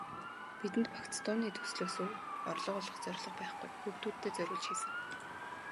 Бидэнд багц дууны төслөөсөө орлого олох зорилго байхгүй, хүүхдүүддээ зориулж хийсэн.